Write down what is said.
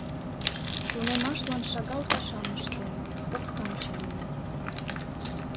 Тунемашлан шагал пашам ыштен, оксам чаманен.